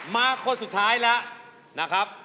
มาคนสุดท้ายแล้วนะครับ